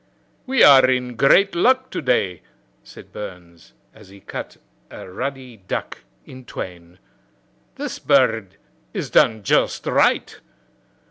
"We are in great luck to day," said Burns, as he cut a ruddy duck in twain. "This bird is done just right."